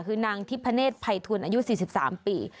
คือนางทิพเนธภัยทุนอายุ๔๓ปี